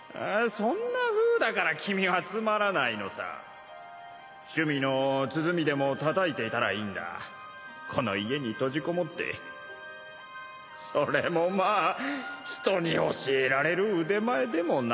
そんなふうだから君はつま趣味の鼓でもたたいていたらいいんこの家に閉じこもってそれもまぁ人に教えられる腕前でも響凱）